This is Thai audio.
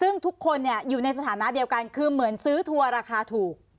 ในสถานะเดียวกันคือเหมือนซื้อทัวร์ราคาถูก